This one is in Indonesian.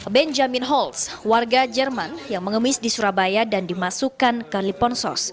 benjamin holtz warga jerman yang mengemis di surabaya dan dimasukkan ke liponsos